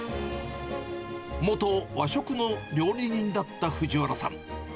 元和食の料理人だった藤原さん。